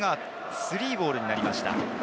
３ボールになりました。